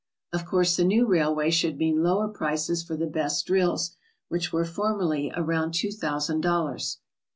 Of course the new railway should mean lower prices for the best drills, which were formerly around two thousand dollars.